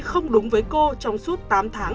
không đúng với cô trong suốt tám tháng